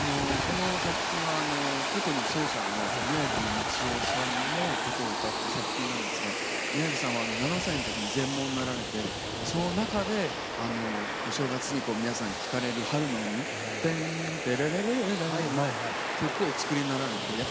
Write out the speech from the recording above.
この作品は箏の奏者の宮城道雄さんのことを歌った作品なんですが宮城さんは７歳のときに全盲になられてその中でお正月に皆さん聴かれる「春の海」「テンテレレレレレレン」の曲をお作りになられて。